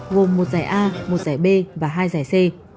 gồm một giải a một giải b và hai giải c